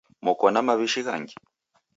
Moko na maw'ishi ghangi?